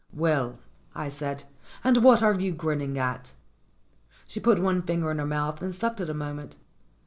"Well," I said, "and what are you grinning at?" She put one finger in her mouth and sucked it a moment.